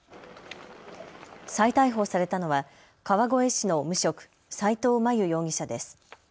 再逮捕されたのは川越市の無職、齋藤真悠容疑者です。